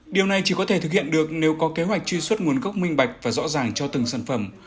điều này chỉ có thể thực hiện được nếu có kế hoạch truy xuất nguồn gốc minh bạch và rõ ràng cho từng sản phẩm